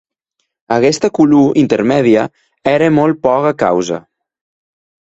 Aguesta color intermèdia ère molt pòga causa.